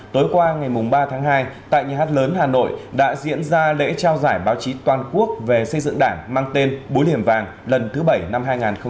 tối qua ngày ba tháng hai tại nhà hát lớn hà nội đã diễn ra lễ trao giải báo chí toàn quốc về xây dựng đảng mang tên búa liềm vàng lần thứ bảy năm hai nghìn hai mươi